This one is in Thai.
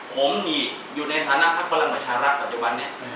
ผมนี่อยู่ในฐานะภักดิ์ฝรั่งประชาลักษณ์ปัจจุบันเนี่ย